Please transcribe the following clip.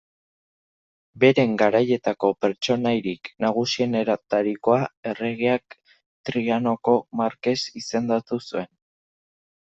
Bere garaietako pertsonaiarik nagusienetarikoa, erregeak Trianoko markes izendatu zuen.